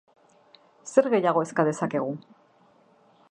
Zer gehiago eska dezakegu?